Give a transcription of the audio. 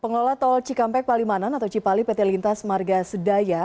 pengelola tol cikampek palimanan atau cipali pt lintas marga sedaya